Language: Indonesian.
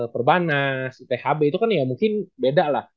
perbanas ithb itu kan ya mungkin beda lah